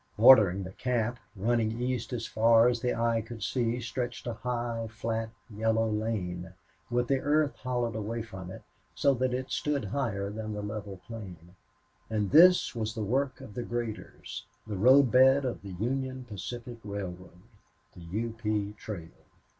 Bordering the camp, running east as far as eye could see, stretched a high, flat, yellow lane, with the earth hollowed away from it, so that it stood higher than the level plain and this was the work of the graders, the road bed of the Union Pacific Railroad, the U. P. Trail.